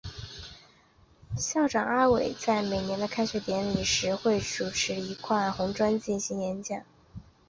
校长何伟在每年的开学典礼时会手持一块红砖进行演讲。